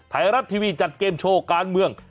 ไทยรัฐทีวีจัดเกมโชว์การเมือง